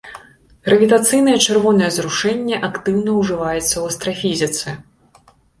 Гравітацыйнае чырвонае зрушэнне актыўна ўжываецца ў астрафізіцы.